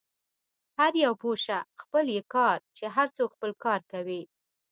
هر یو پوه شه، خپل يې کار، چې هر څوک خپل کار کوي.